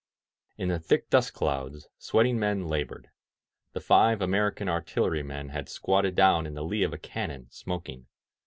In the thick dust clouds, sweating men labored. The five American artillery men had squatted down in the lee of a cannon, smoking.